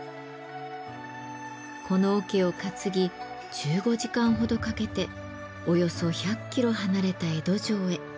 この桶を担ぎ１５時間ほどかけておよそ１００キロ離れた江戸城へ。